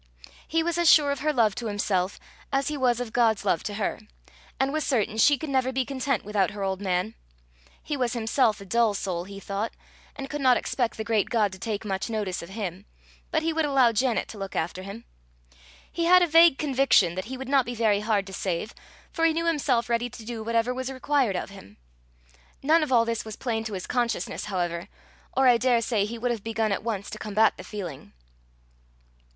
He was as sure of her love to himself, as he was of God's love to her, and was certain she could never be content without her old man. He was himself a dull soul, he thought, and could not expect the great God to take much notice of him, but he would allow Janet to look after him. He had a vague conviction that he would not be very hard to save, for he knew himself ready to do whatever was required of him. None of all this was plain to his consciousness, however, or I daresay he would have begun at once to combat the feeling.